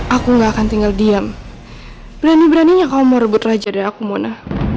aku gak akan tinggal diam berani beraninya kamu mau rebut raja dari aku mona